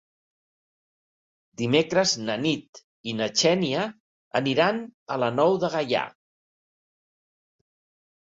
Dimecres na Nit i na Xènia aniran a la Nou de Gaià.